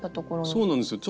そうなんですよ。